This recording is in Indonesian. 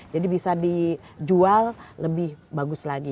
jadi bisa dijual lebih bagus lagi